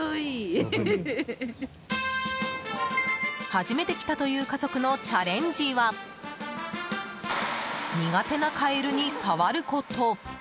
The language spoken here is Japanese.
初めて来たという家族のチャレンジは苦手なカエルに触ること。